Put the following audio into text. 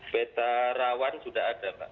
peta rawan sudah ada pak